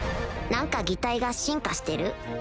何か擬態が進化してる？